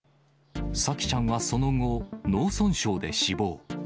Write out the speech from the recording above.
沙季ちゃんはその後、脳損傷で死亡。